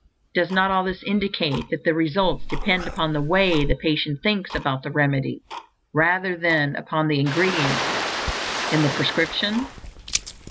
Does not all this indicate that the results depend upon the way the patient thinks about the remedy, rather than upon the ingredients in the prescription?